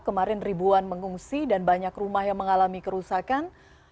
kemarin ribuan mengungsi dan banyak rumah yang mengalami kerusakan